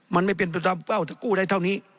มันไม่เป็นเป็นเป้าเพราะกู้ได้เท่านี้